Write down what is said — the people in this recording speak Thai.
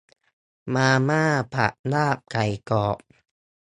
มาม่าผัดลาบไก่กรอบ